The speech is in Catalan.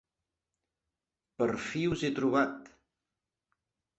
Per fi us he trobat!